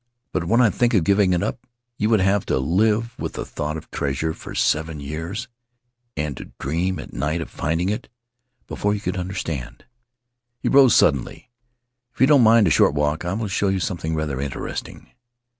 But when I think of giving it up — you would have to live with the thought of treasure for seven years, and to dream at night of finding it, before you could understand." He rose suddenly. "If you don't mind a short walk, I will show you something rather interesting."